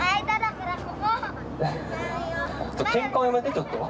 ケンカはやめてちょっと。